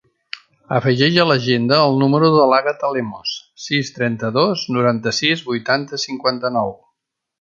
Afegeix a l'agenda el número de l'Àgata Lemos: sis, trenta-dos, noranta-sis, vuitanta, cinquanta-nou.